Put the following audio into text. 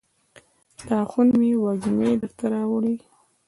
د آهونو مې وږمې درته راوړي